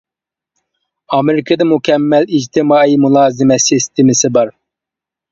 ئامېرىكىدا مۇكەممەل ئىجتىمائىي مۇلازىمەت سىستېمىسى بار.